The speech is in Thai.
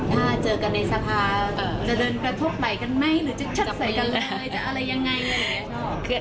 ถ้าเจอกันในสภาจะเดินไปท็อคไหลกันไหมหรือจะชัดใส่กันอะไรยังไง